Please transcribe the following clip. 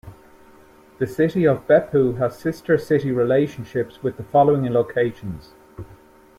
The city of Beppu has sister city relationships with the following locations.